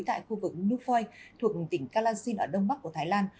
tại khu vực newfoy thuộc tỉnh kalashin ở đông bắc của thái lan